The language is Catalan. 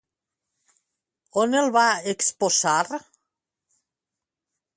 On el va exposar?